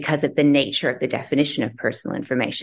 karena bentuk definisi informasi pribadi